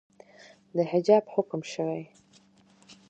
د حجاب حکم شوئ